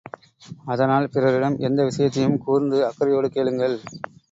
அதனால் பிறரிடம் எந்த விஷயத்தையும் கூர்ந்து, அக்கரையோடு கேளுங்கள்!